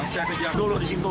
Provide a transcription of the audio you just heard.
saya kejar dulu di situ